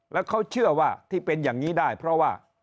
แล้วเขาเชื่อว่าที่เป็นอย่างนี้ได้เพราะว่า